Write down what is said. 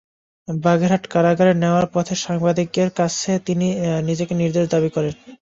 বাগেরহাট কারাগারে নেওয়ার পথে সাংবাদিকদের কাছে তিনি নিজেকে নির্দোষ দাবি করেন।